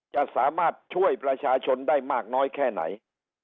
จะสามารถช่วยประชาชนได้มากน้อยแค่ไหน